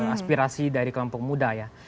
aspirasi dari kelompok muda ya